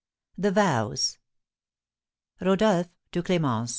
THE VOWS. _Rodolph to Clémence.